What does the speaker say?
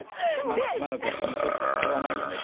「島野君君ちょっとあれはないよね」